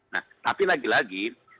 nah tapi lagi lagi